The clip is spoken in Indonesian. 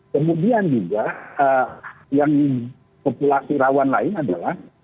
kemudian juga yang populasi rawan lain adalah